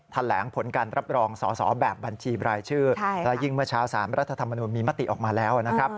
แถลงผลการรับรองสอสอแบบบัญชีบรายชื่อและยิ่งเมื่อเช้า๓รัฐธรรมนุนมีมติออกมาแล้วนะครับ